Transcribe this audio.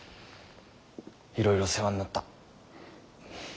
いろいろ世話になった。